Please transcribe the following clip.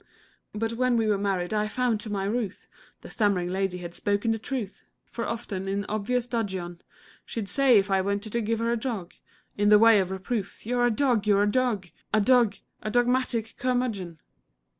But when we were married, I found to my ruth, The stammering lady had spoken the truth; For often, in obvious dudgeon, She'd say, if I ventured to give her a jog In the way of reproof "You're a dog you're a dog A dog a dog matic curmudgeon!"